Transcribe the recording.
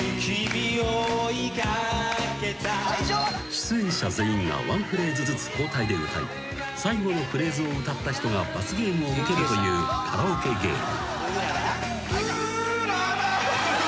［出演者全員がワンフレーズずつ交代で歌い最後のフレーズを歌った人が罰ゲームを受けるというカラオケゲーム］